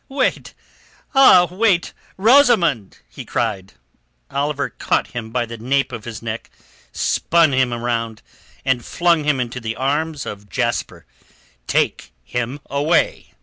"Wait! Ah, wait! Rosamund!" he cried. Oliver caught him by the nape of his neck, spun him round, and flung him into the arms of Jasper. "Take him away!"